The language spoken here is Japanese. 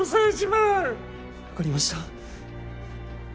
分かりました。